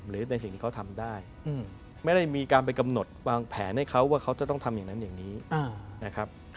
หรือในสิ่งที่เขาทำได้ไม่ได้มีการไปกำหนดวางแผนให้เขาว่าเขาจะต้องทำอย่างนั้นอย่างนี้นะครับ